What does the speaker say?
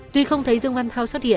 tuy không thấy dương quan thao xuất hiện